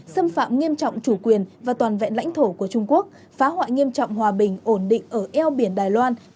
xâm phạm nghiêm trọng chủ quyền và toàn vẹn lãnh thổ của trung quốc phá hoại nghiêm trọng hòa bình ổn định ở eo biển đài loan